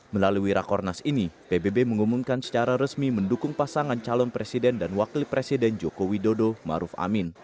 melalui rakornas ini pbb mengumumkan secara resmi mendukung pasangan calon presiden dan wakil presiden joko widodo maruf amin